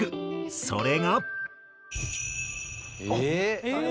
それが。